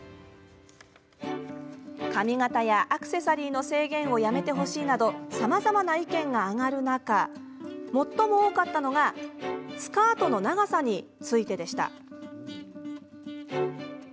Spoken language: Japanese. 髪形やアクセサリーの制限をやめてほしいなどさまざまな意見が上がる中最も多かったのがスカートの長さについてでした。